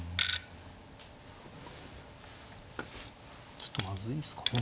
ちょっとまずいですかね。